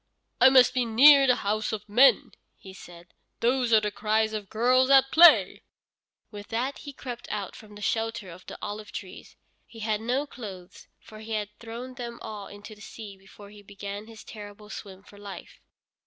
"I must be near the houses of men," he said; "those are the cries of girls at play." With that he crept out from the shelter of the olive trees. He had no clothes, for he had thrown them all into the sea before he began his terrible swim for life.